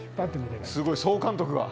すごい総監督が。